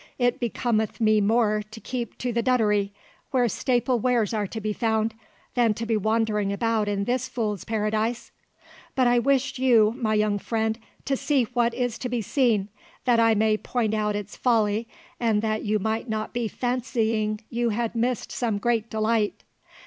It becometh me more to keep to the Duddery, where staple wares are to be found, than to be wandering about in this fool's paradise; but I wished you, my young friend, to see what is to be seen, that I may point out its folly, and that you might not be fancying you had missed some great delight.